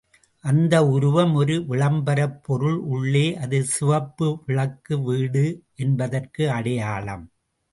அந்த உருவம் ஒரு விளம்பரப் பொருள் உள்ளே அது சிவப்பு விளக்கு வீடு என்பதற்கு அடையாளம்.